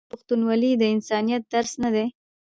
آیا پښتونولي د انسانیت درس نه دی؟